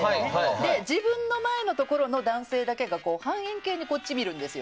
自分の前のところの男性だけが半円形にこっち見るんですよ。